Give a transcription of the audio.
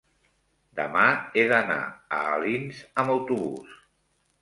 demà he d'anar a Alins amb autobús.